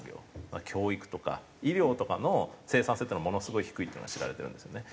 教育とか医療とかの生産性っていうのはものすごい低いっていうのが知られているんですよね。